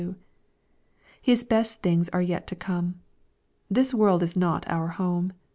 His best things are yet to come. This world is not our home.